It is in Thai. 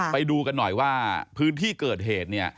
ไปดูกันหน่อยว่าพื้นที่เกิดเหตุเนี่ย